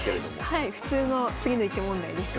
はい普通の次の一手問題です。